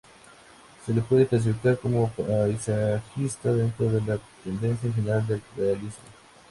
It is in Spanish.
Se lo puede clasificar como paisajista dentro de la tendencia general del realismo.